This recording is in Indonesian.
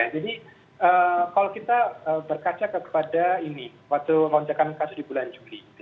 jadi kalau kita berkaca kepada ini waktu lonjakan kasus di bulan juli